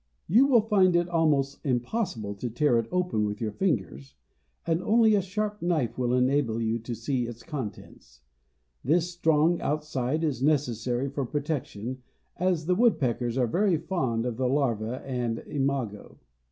You will find it almost impossible to tear it open with your fingers, and only a sharp knife will enable you to see the contents. This strong outside is necessary for protection, as the woodpeckers are very fond of the larva and imago.